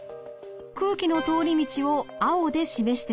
空気の通り道を青で示してみます。